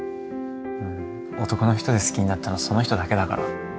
男の人で好きになったのその人だけだから。